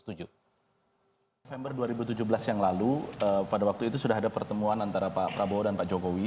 november dua ribu tujuh belas yang lalu pada waktu itu sudah ada pertemuan antara pak prabowo dan pak jokowi